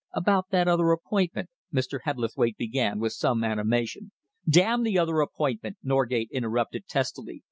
"About that other appointment," Mr. Hebblethwaite began, with some animation "Damn the other appointment!" Norgate interrupted testily.